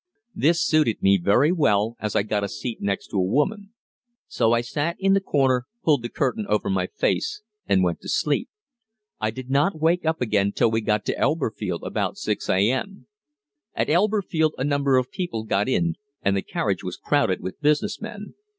This suited me very well, as I got a seat next to a woman. So I sat in the corner, pulled the curtain over my face, and went to sleep. I did not wake up again till we got to Elberfeld about 6 a.m. At Elberfeld a number of people got in, and the carriage was crowded with business men.